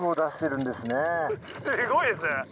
すごいですね。